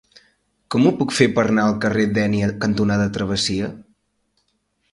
Com ho puc fer per anar al carrer Dénia cantonada Travessia?